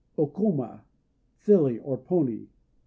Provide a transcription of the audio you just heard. _ O Koma "Filly," or pony.